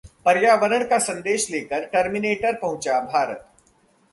पर्यावरण का संदेश लेकर टर्मिनेटर पहुंचा भारत